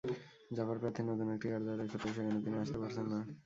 জাপার প্রার্থী নতুন একটি কার্যালয় খুললেও সেখানে তিনি আসতে পারছেন না।